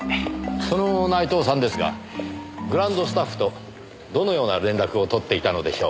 その内藤さんですがグランドスタッフとどのような連絡を取っていたのでしょう？